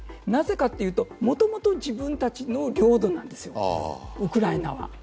なぜかというと、もともと自分たちの領土なんですウクライナは。